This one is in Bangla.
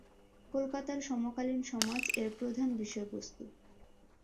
কলকাতার সমকালীন সমাজ এর প্রধান বিষয়বস্তু।